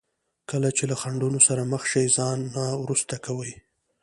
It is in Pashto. کله چې له خنډونو سره مخ شي ځان نه وروسته کوي.